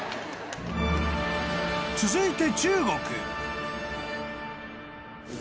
［続いて］